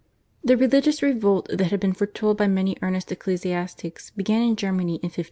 The religious revolt that had been foretold by many earnest ecclesiastics began in Germany in 1517.